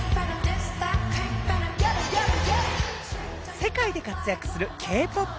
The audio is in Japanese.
世界で活躍するＫ−ＰＯＰ